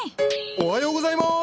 おはようございます！